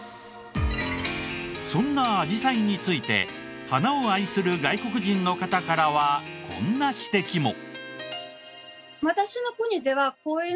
そんなあじさいについて花を愛する外国人の方からはこんな指摘も。